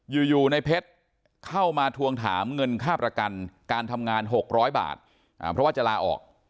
อยู่ในเพชรเข้ามาทวงถามเงินค่าประกันการทำงาน๖๐๐บาทเพราะว่าจะลาออก